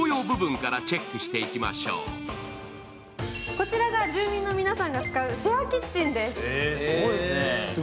こちらが住民の皆さんが使うシェアキッチンです。